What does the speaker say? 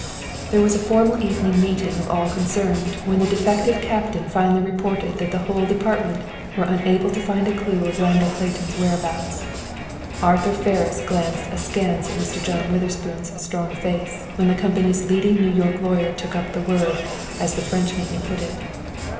There was a formal evening meeting of all concerned when the detective captain finally reported that the whole department were unable to find a clue of Randall Clayton's whereabouts. Arthur Ferris gazed askance at Mr. John Witherspoon's strong face when the company's leading New York lawyer took up the word, as the French neatly put it.